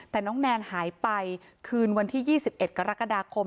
แต่น้องแนนหายไปคืนวันที่๒๑กรกฎาคม